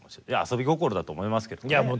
いや遊び心だと思いますけどね。